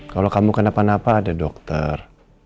kalau kamu kenapa napa ada dokter